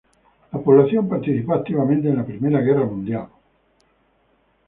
La población participó activamente en la Primera Guerra Mundial.